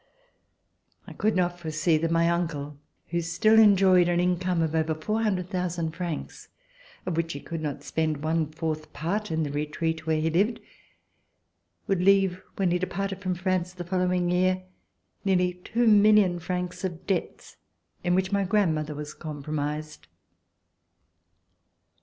I could not foresee that my uncle, who still enjoyed an income of over 400,000 francs, of which he could not spend one fourth part, in the retreat where he lived, would leave, when he VERSAILLES INVADED HY THE MOB dei)artcd from France the following year, nearly two million francs of debts in which my grandmother was compromised.